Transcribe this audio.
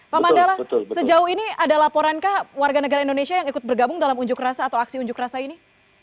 pak mandala sejauh ini ada laporankah warga negara indonesia yang ikut bergabung dalam unjuk rasa atau aksi unjuk rasa ini